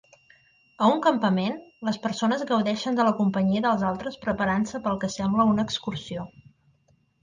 A un campament, les persones gaudeixen de la companyia dels altres preparant-se pel que sembla una excursió